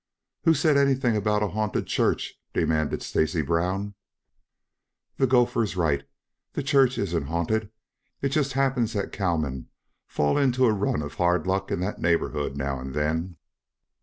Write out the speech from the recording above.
"Who said anything about a haunted church?" demanded Stacy Brown. "The gopher is right. The church isn't haunted. It just happens that cowmen fall into a run of hard luck in that neighborhood now and then."